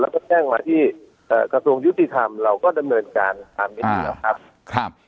แล้วก็แจ้งมาที่กระทรวงยุติธรรมเราก็ดำเนินการตามนี้อยู่แล้วครับ